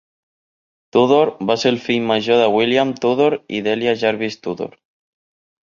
Tudor va ser el fill major de William Tudor i Delia Jarvis Tudor.